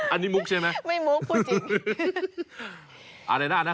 อันนี้มุกใช่ไหมไม่มุกพูดจริง